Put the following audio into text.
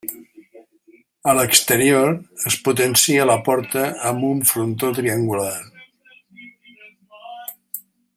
A l'exterior es potencia la porta amb un frontó triangular.